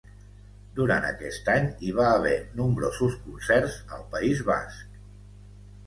Durant aquest any, hi va haver nombrosos concerts al País Basc.